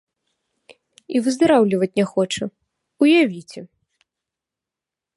І выздараўліваць не хоча, уявіце!